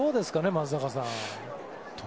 松坂さん。